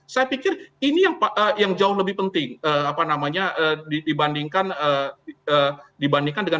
saya pikir ini yang jauh lebih penting dibandingkan dengan